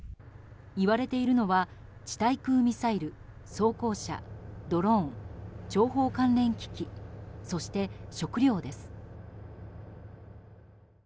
言われているのは地対空ミサイル、装甲車ドローン、諜報関連機器そして食料です。